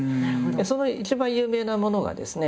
その一番有名なものがですね